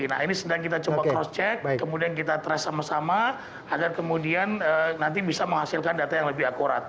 nah ini sedang kita coba cross check kemudian kita trace sama sama agar kemudian nanti bisa menghasilkan data yang lebih akurat